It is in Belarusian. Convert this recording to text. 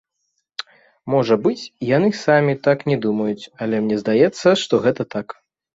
Можа быць, яны самі так не думаюць, але мне здаецца, што гэта так.